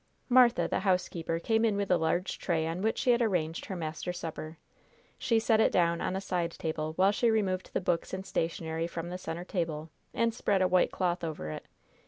Martha, the housekeeper, came in with a large tray on which she had arranged her master's supper. She set it down on a side table, while she removed the books and stationary from the center table and spread a white cloth over it.